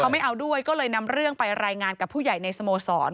ไม่เอาด้วยก็เลยนำเรื่องไปรายงานกับผู้ใหญ่ในสโมสร